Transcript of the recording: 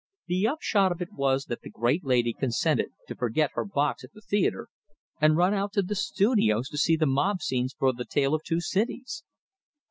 The upshot of it was that the great lady consented to forget her box at the theatre, and run out to the studios to see the mob scenes for the "The Tale of Two Cities."